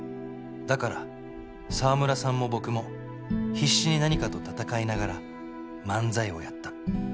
だから澤村さんも僕も必死に何かと闘いながら漫才をやった